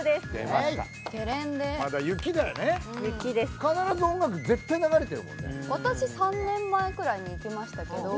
私３年前くらいに行きましたけど。